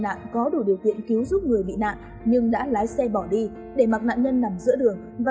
nạn có đủ điều kiện cứu giúp người bị nạn nhưng đã lái xe bỏ đi để mặc nạn nhân nằm giữa đường và